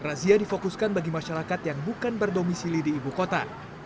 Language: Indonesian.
razia difokuskan bagi masyarakat yang bukan berdomisili di ibu kota